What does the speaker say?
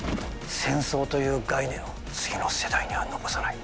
戦争という概念を次の世代には残さない。